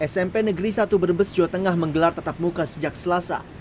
smp negeri satu brebes jawa tengah menggelar tatap muka sejak selasa